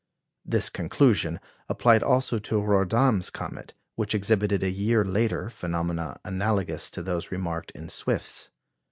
This conclusion applied also to Rordame's comet, which exhibited a year later phenomena analogous to those remarked in Swift's.